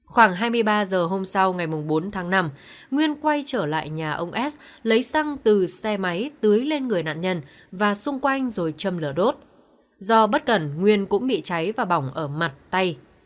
khoảng hai mươi ba h hôm sau ngày bốn tháng năm nguyên quay trở lại nhà ông s lấy xăng từ xe máy tưới lên người nạn nhân và xung quanh rồi châm lửa đốt do bất cẩn nguyên cũng bị cháy và bỏng ở mặt tay